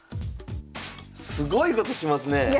すごいことしますねえ！